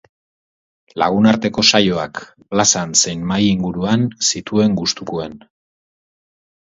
Lagunarteko saioak, plazan zein mahai inguruan, zituen gustukuen.